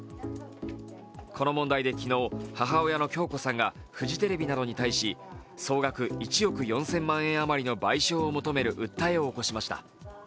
この問題で昨日、母親の響子さんがフジテレビなどに対し総額１億４０００万円余りの賠償を求める訴えを起こしました。